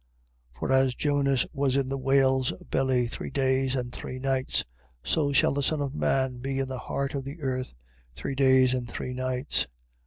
12:40. For as Jonas was in the whale's belly three days and three nights: so shall the Son of man be in the heart of the earth three days and three nights.